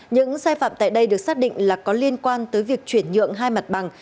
những sai phạm tại đây được xác định là có liên quan tới việc chuyển nhượng hai mặt bằng